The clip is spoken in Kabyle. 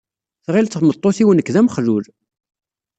Tɣil tmeṭṭut-iw nekk d amexlul.